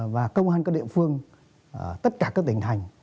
và công an các địa phương tất cả các tỉnh thành